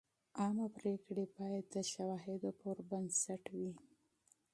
عامه پریکړې باید د شواهدو پر بنسټ وي.